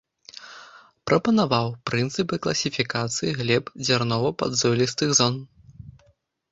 Прапанаваў прынцыпы класіфікацыі глеб дзярнова-падзолістых зон.